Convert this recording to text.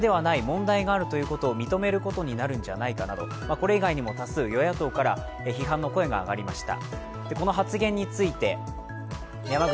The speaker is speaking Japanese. これ以外にも多数、与野党から批判の声が上がりました。